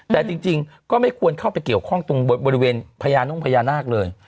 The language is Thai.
แต่จริงก็ไม่ควรเข้าไปเกี่ยวข้องตรงบริเวณพญานุ่งพญานาคเลย